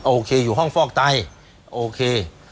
โอเคอยู่ห้องฟอกไตโอเค